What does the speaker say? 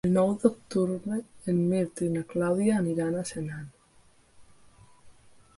El nou d'octubre en Mirt i na Clàudia aniran a Senan.